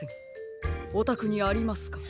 おたくにありますか？